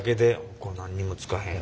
これ何にもつかへん。